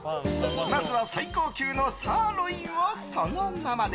まずは最高級のサーロインをそのままで。